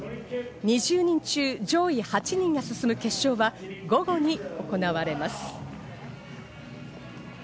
２０人中、上位８人が進む決勝は、午後に行われます。